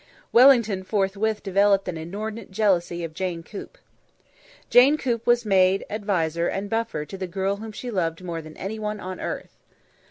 Wellington forthwith developed an inordinate jealousy of Jane Coop. Jane Coop was maid, adviser and buffer to the girl whom she loved more than anyone on earth.